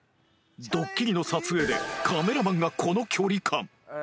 どっきりの撮影でカメラマンがこの距離感